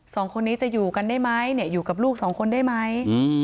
สองคนนี้จะอยู่กันได้ไหมเนี่ยอยู่กับลูกสองคนได้ไหม